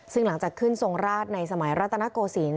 ซึ่งหลังจากขึ้นทรงราชในสมัยรัตนโกศิลป